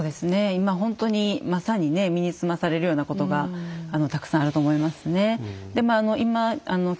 今ほんとにまさにね身につまされるようなことがたくさんあると思いますね。